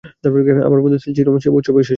আমার বন্ধু সিলমিশাম শিবা উৎসবে এসেছিল।